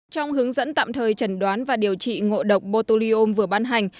trong hướng dẫn tạm thời trần đoán và điều trị ngộ độc botulium vừa ban hành